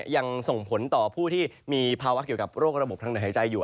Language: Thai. ยังส่งผลต่อผู้ที่มีภาวะเกี่ยวกับโรคระบบทางเดินหายใจอยู่